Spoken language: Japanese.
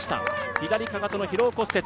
左かかとの疲労骨折。